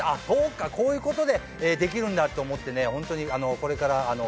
そうかこういうことでできるんだって思ってね。